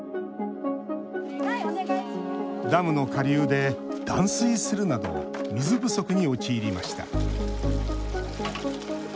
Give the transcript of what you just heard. ダムの下流で断水するなど水不足に陥りました。